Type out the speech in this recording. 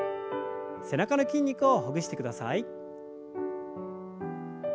背中の筋肉をほぐしてください。